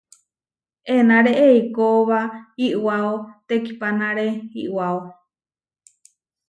Enáre eikóba iʼwáo tekihpánare iʼwáo.